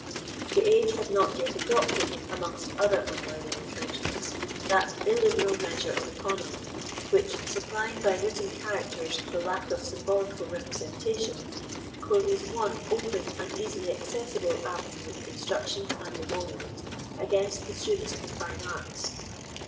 The age had not yet adopted, amongst other unworthy retrenchments, that illiberal measure of economy which, supplying by written characters the lack of symbolical representation, closes one open and easily accessible avenue of instruction and emolument against the students of the fine arts.